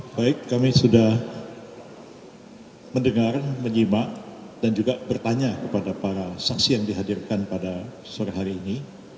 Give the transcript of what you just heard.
baik kami sudah mendengar menyimak dan juga bertanya kepada para saksi yang dihadirkan pada sore hari ini